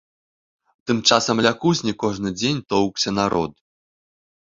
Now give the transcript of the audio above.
Тым часам ля кузні кожны дзень тоўкся народ.